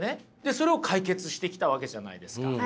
それを解決してきたわけじゃないですか。